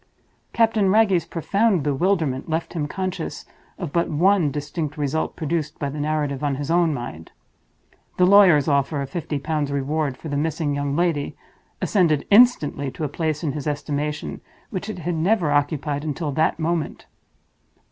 Captain Wragge's profound bewilderment left him conscious of but one distinct result produced by the narrative on his own mind. The lawyer's offer of Fifty Pounds Reward for the missing young lady ascended instantly to a place in his estimation which it had never occupied until that moment.